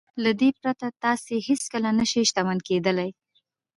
له دې پرته تاسې هېڅکله نه شئ شتمن کېدلای.